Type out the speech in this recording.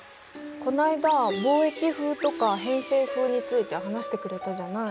この間「貿易風」とか「偏西風」について話してくれたじゃない？